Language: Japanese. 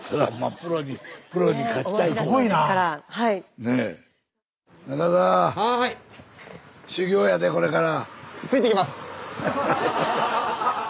ついて行きます！